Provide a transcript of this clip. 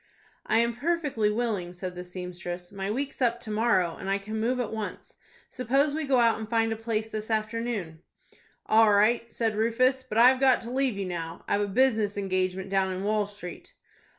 "I am perfectly willing," said the seamstress. "My week's up to morrow, and I can move at once. Suppose we go out and find a place this afternoon." "All right," said Rufus. "But I've got to leave you now. I've a business engagement down in Wall Street."